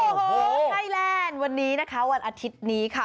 โอ้โหไทยแลนด์วันนี้นะคะวันอาทิตย์นี้ค่ะ